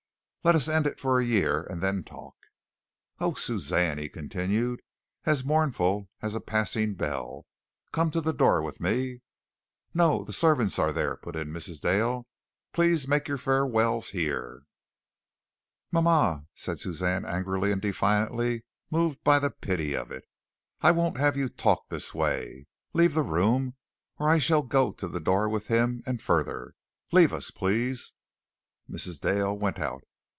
Let us end it for a year, and then talk." "Oh, Suzanne," he continued, as mournful as a passing bell, "come to the door with me." "No, the servants are there," put in Mrs. Dale. "Please make your farewells here." "Mama," said Suzanne angrily and defiantly, moved by the pity of it, "I won't have you talk this way. Leave the room, or I shall go to the door with him and further. Leave us, please." Mrs. Dale went out.